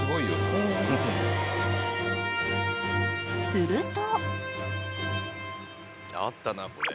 ［すると］